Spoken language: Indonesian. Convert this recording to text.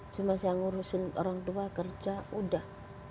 cuma saya ngurusin orang tua kerja udah